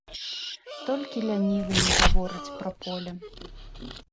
Толькі лянівы не гаворыць пра поле!